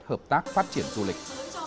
hợp tác phát triển du lịch